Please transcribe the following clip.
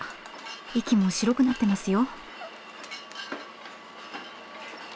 息も白くなってますよ。